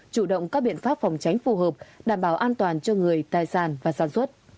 chủ động các biện pháp phòng tránh phù hợp đảm bảo an toàn cho người tài sản và sản xuất